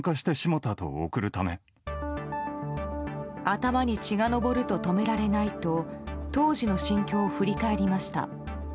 頭に血が上ると止められないと当時の心境を振り返りました。